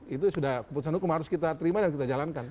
itu sudah keputusan hukum harus kita terima dan kita jalankan